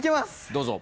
どうぞ。